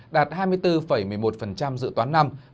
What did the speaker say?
đạt hai mươi bốn một mươi một dự toán năm